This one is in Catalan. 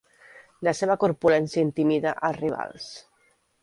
La seva corpulència intimida els rivals.